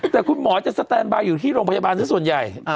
แต่คุณหมอจะสแตนบายอยู่ที่โรงพยาบาลซะส่วนใหญ่